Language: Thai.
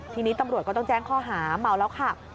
ทีนี้ตำรวจก็ต้องแจ้งข้อหาเมาแล้วขับ